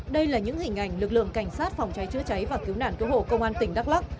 đây là những hình ảnh lực lượng cảnh sát phòng cháy chữa cháy và cứu nạn cứu hộ công an tỉnh đắk lắc